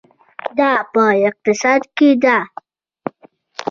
دا په اقتصاد کې ده.